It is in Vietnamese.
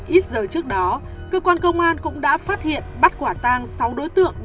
ít giờ trước đó cơ quan công an cũng đã phát hiện bắt quả tang sáu đối tượng